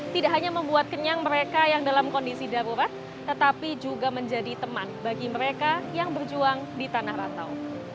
tidak hanya membuat kenyang mereka yang dalam kondisi darurat tetapi juga menjadi teman bagi mereka yang berjuang di tanah rantau